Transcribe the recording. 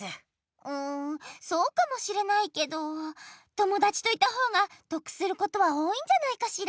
うんそうかもしれないけど友だちといたほうが得することは多いんじゃないかしら。